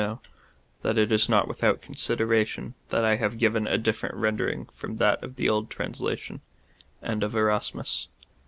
know, that it is not without consideration that I have given a different rendering from that of the okl translation/ and of Erasmus.